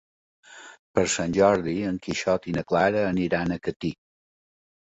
Per Sant Jordi en Quixot i na Clara aniran a Catí.